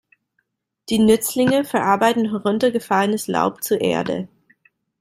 Die Nützlinge verarbeiten heruntergefallenes Laub zu Erde.